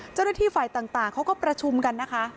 เจ้าหน้าที่ฝ่ายต่างเขาก็ประชุมกันนะคะ